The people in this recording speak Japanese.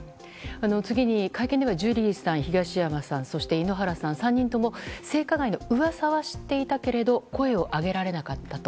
次に会見ではジュリーさん、東山さんそして、井ノ原さんの３人とも性加害の噂は知っていたけれど声を上げられなかったと。